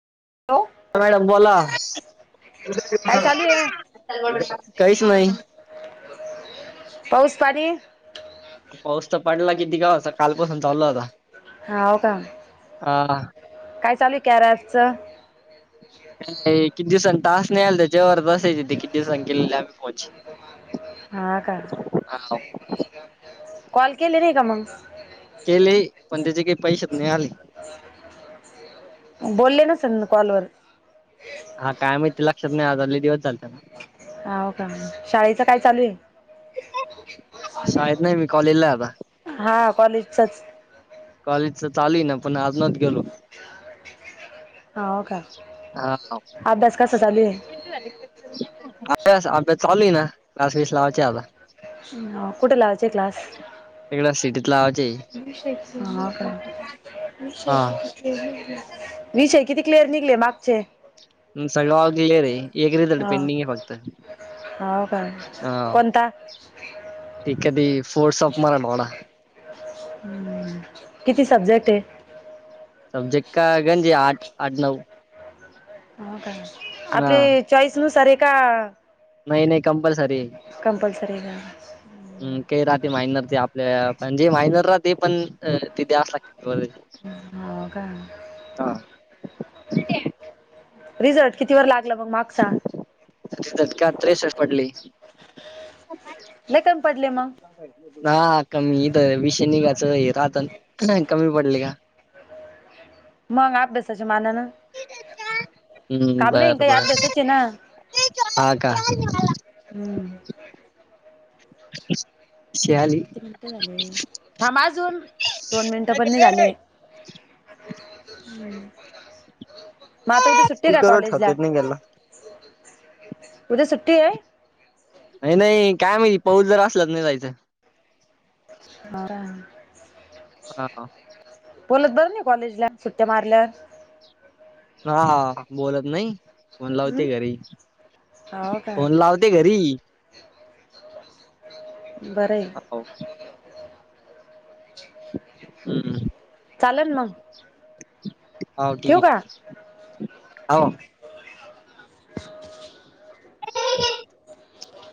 Hello madam, बोला, काय चालू आहे काहीच नाही. पाऊस, पाणी पाऊस तर पडला किती? गावाचा कालपासून चालू झाला. हो का? हा काय चालूय कॅराजचं? किती दिवसांनी तास नाही आला? त्याच्यावर असायचे ते किती दिवसां केलेले, आम्ही पोच. हा का? हा कॉल केले नाही का, मग? केले, पण त्याचे काही पैसे नाही आले. बोलले नसल, कॉलवर. हा, काय माहिती, लक्षात नाही, आता लय दिवस झाले त्याला. हा का? शाळेचं काय चालू आहे? शाळेत नाही, मी कॉलेजला आहे आता. हा कॉलेजचाच कॉलेज तर चालुय ना, पण आज नव्हतो गेलो. हा का? हा अभ्यास कसा चालुय? अभ्यास, अभ्यास चालूय ना, क्लास बीस लावायचे आता. ह, कुठं लावायचे क्लास? तिकडं सिटीत लावायचे. हा का? हा विषय किती क्लिअर निघले मागचे? हं, सगळं ऑल क्लिअर हे, एक रिझल्ट पेंडिंग आहे फक्त. हो का? कोणता? ठीक आहे ती, फोर शॉप, मराठवाडा. हं, किती सब्जेक्ट आहेत? सब्जेक्ट काय? गणिती आठ, आठ, नऊ? हो का? हा आपले चॉईस नुसार आहे का? नाही नाही कम्पल्सरी कम्पल्सरी आहे का? हम काही राहते मायनर ते आपल्या पण जे मायनर राहते ते पण तिथे असला चालेल हो हो का हा ठीक आहे रिझल्ट कितीवर लागलं पण मग मागचा रिजल्ट का त्रेसष्ठ पडले लई कामी पडले मग ह कमी इथं विषय निघाचं राहतन कमी पडले का मग आभ्यासाच्या मानानं हम्म काम नाही बर काही बर आभ्यासाचे ना हा का हम्म शियाली किती मिनिटं झाले थांब अजून दोन मिनिटं पण नाही झाले हम्म म आता उद्या सुट्टी काय स्पीकरवर कॉलेज ला ठेवतात नाही गेला उद्या सुट्टी आहे नाही नाही काय माहिती पाऊस जर असलाच नाही जायचं बराय हा हा बोलत बरं नाही कॉलेजला सुट्या मारल्या वर हा बोलत नाही फोन लावते घरी हो का फोन लाव ते घरी बरं आहे हो हम्म चालेल ना हो ठीक आहे हो ह [unintelligible]